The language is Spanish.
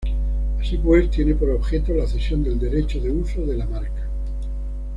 Así pues, tiene por objeto la cesión del derecho de uso de la marca.